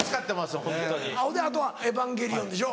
ほいであとは『エヴァンゲリオン』でしょ。